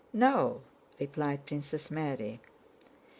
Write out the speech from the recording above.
"No," replied Princess Mary.